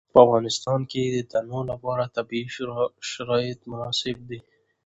په افغانستان کې د تنوع لپاره طبیعي شرایط مناسب دي.